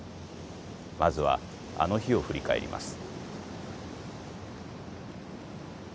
まずはあの日を振り返ります。